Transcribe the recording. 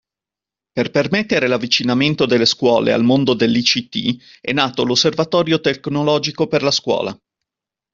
Per permettere l'avvicinamento delle scuole al mondo dell'ICT è nato l'"Osservatorio Tecnologico per la Scuola".